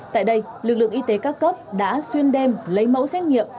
tại đây lực lượng y tế các cấp đã xuyên đem lấy mẫu xét nghiệm